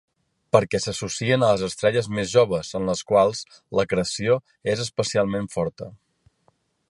Perquè s'associen a les estrelles més joves en les quals l'acreció és especialment forta.